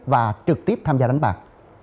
và trực tiếp tham gia đánh bạc